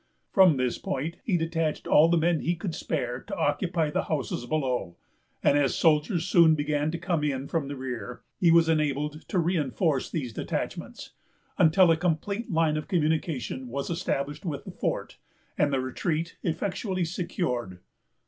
From this point he detached all the men he could spare to occupy the houses below; and as soldiers soon began to come in from the rear, he was enabled to re enforce these detachments, until a complete line of communication was established with the fort, and the retreat effectually secured.